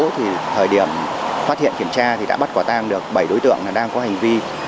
thì thời điểm phát hiện kiểm tra thì đã bắt quả tang được bảy đối tượng đang có hành vi